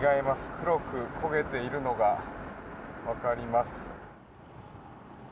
黒く焦げているのがわかります。